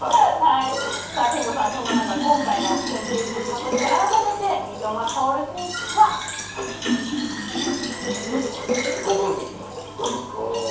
憲剛さん、そんな中、今回の研究結果として、改めて三笘薫選手自己分析の鬼。